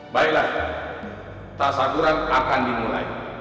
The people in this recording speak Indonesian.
baiklah tahsyakuran akan dimulai